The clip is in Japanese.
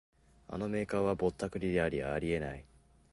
あのメーカーはぼったくりであり得ない